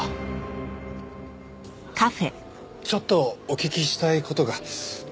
ちょっとお聞きしたい事が。